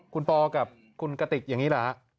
คุณปอกับคุณกติกอย่างนี้เหรอฮะ